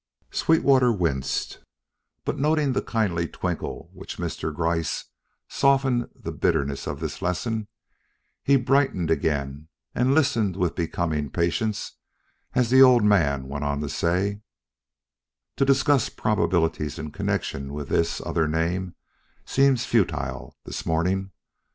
Sweetwater winced, but noting the kindly twinkle with which Mr. Gryce softened the bitterness of this lesson, he brightened again and listened with becoming patience as the old man went on to say: "To discuss probabilities in connection with this other name seems futile this morning.